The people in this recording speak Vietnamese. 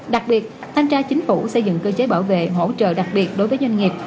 đặc biệt thanh tra chính phủ xây dựng cơ chế bảo vệ hỗ trợ đặc biệt đối với doanh nghiệp